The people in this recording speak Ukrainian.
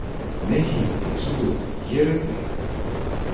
Негідний, злодій, єретик!